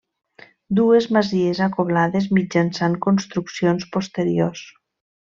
Dues masies acoblades mitjançant construccions posteriors.